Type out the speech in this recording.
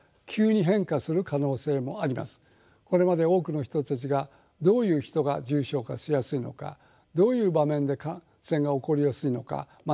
これまで多くの人たちがどういう人が重症化しやすいのかどういう場面で感染が起こりやすいのか学んできました。